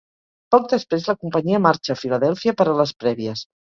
Poc després la companyia marxa a Filadèlfia per a les prèvies.